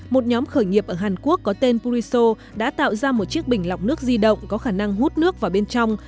một nhóm khởi nghiệp ở hàn quốc có tên puriso đã tạo ra một chiếc bình lọc nước di động có khả năng hút nước vào bên trong